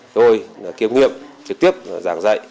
tôi kiếm nghiệm trực tiếp giảng dạy